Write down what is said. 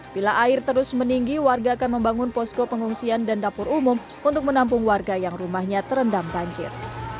bila air terus meninggi warga akan membangun posko pengungsian dan dapur umum untuk menampung warga yang rumahnya terendam banjir